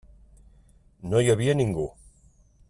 No hi havia ningú.